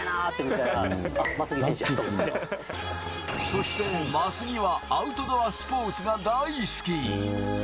そして眞杉はアウトドアスポーツが大好き。